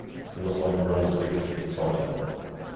He was born in Brunswick, Victoria.